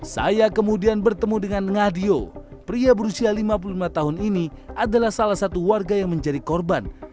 saya kemudian bertemu dengan ngadio pria berusia lima puluh lima tahun ini adalah salah satu warga yang menjadi korban